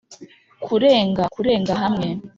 kurenga kurenga hamwe